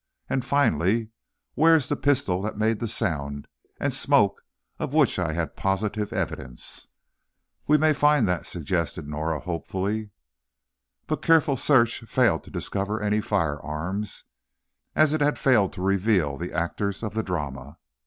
and, finally, where's the pistol that made the sound and smoke of which I had positive evidence?" "We may find that," suggested Norah, hopefully. But careful search failed to discover any firearms, as it had failed to reveal the actors of the drama.